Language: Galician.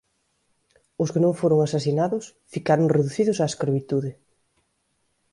Os que non foron asasinados ficaron reducidos á escravitude.